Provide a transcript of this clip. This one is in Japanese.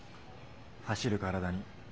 「走る身体」に。